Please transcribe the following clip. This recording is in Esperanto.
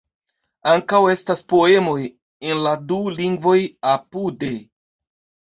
Ankaŭ estas poemoj en la du lingvoj apude.